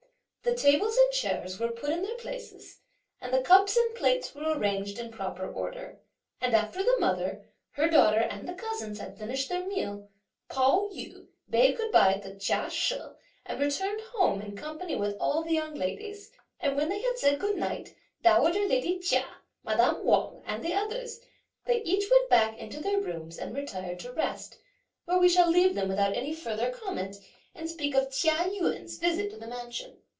The tables and chairs were put in their places, and the cups and plates were arranged in proper order; and, after the mother, her daughter and the cousins had finished their meal, Pao yü bade good bye to Chia She and returned home in company with all the young ladies; and when they had said good night to dowager lady Chia, madame Wang and the others, they each went back into their rooms and retired to rest; where we shall leave them without any further comment and speak of Chia Yün's visit to the mansion.